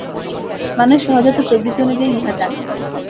মানুষ সহজাত প্রবৃত্তি অনুযায়ী ইহা জানে।